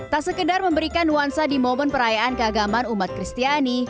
tak sekedar memberikan nuansa di momen perayaan keagaman umat kristiani